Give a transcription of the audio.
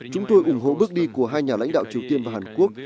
chúng tôi ủng hộ bước đi của hai nhà lãnh đạo triều tiên và hàn quốc